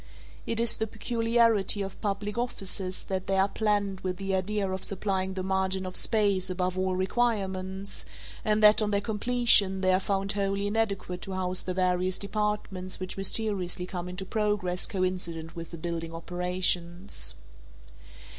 It is the peculiarity of public offices that they are planned with the idea of supplying the margin of space above all requirements and that on their completion they are found wholly inadequate to house the various departments which mysteriously come into progress coincident with the building operations.